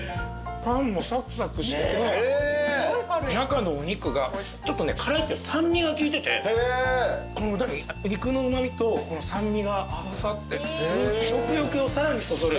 パンもサクサクしてて中のお肉がちょっとね酸味が効いてて肉のうま味と酸味が合わさってって食欲をさらにそそる。